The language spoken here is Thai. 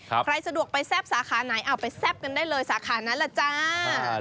ใครสะดวกไปแซ่บสาขาไหนเอาไปแซ่บกันได้เลยสาขานั้นล่ะจ้า